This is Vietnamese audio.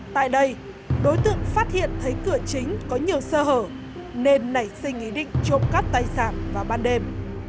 tại đây đối tượng phát hiện thấy cửa chính có nhiều sơ hở nên nảy sinh ý định chộp các tay sạm vào ban đêm